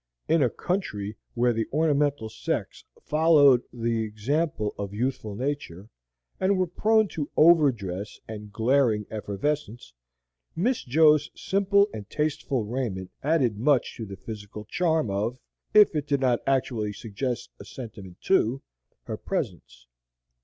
In a country where the ornamental sex followed the example of youthful Nature, and were prone to overdress and glaring efflorescence, Miss Jo's simple and tasteful raiment added much to the physical charm of, if it did not actually suggest a sentiment to, her presence.